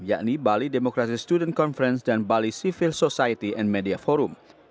yakni bali demokrasi student conference dan bali civil society and media forum